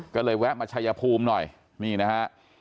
ก็เลยแวะมาชัยภูมิหน่อยนี่นะฮะ